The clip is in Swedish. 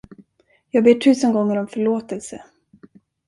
Jag ber tusen gånger om förlåtelse!